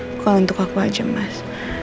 bukan untuk aku aja mas